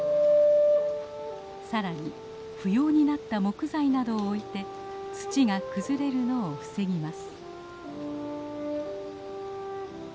さらに不要になった木材などを置いて土が崩れるのを防ぎます。